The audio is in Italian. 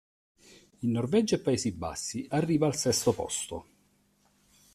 In Norvegia e Paesi Bassi arriva al sesto posto.